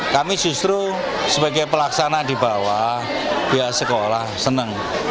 kami justru sebagai pelaksanaan di bawah biar sekolah senang